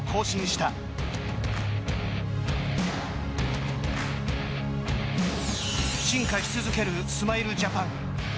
進化し続けるスマイルジャパン。